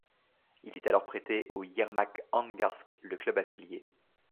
Il est alors prêté au Iermak Angarsk, le club affilié.